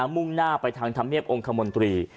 มุ่งหน้าไปทางธรรมเนียบองค์คมนตรี